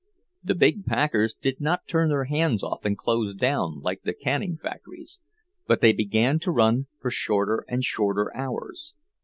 The big packers did not turn their hands off and close down, like the canning factories; but they began to run for shorter and shorter hours.